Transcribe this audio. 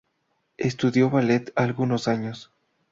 Estudió ballet algunos años.